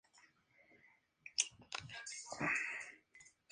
En gran parte fue resultado de los ideales internacionalistas de Ted Turner.